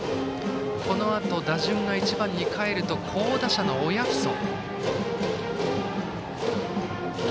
このあと打順が１番にかえると好打者の親富祖。